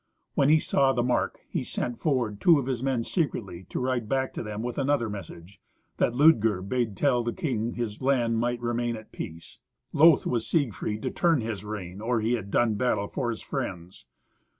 When he saw the mark, he sent forward two of his men secretly, to ride back to them with another message: that Ludger bade tell the king his land might remain at peace. Loth was Siegfried to turn his rein or had he done battle for his friends.